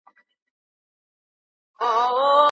زه به سبا د وینې معاینه وکړم.